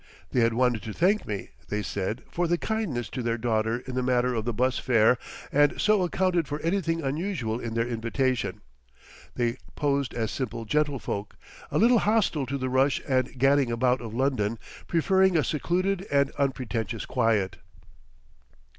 They had wanted to thank me, they said, for the kindness to their daughter in the matter of the 'bus fare, and so accounted for anything unusual in their invitation. They posed as simple gentlefolk, a little hostile to the rush and gadding about of London, preferring a secluded and unpretentious quiet.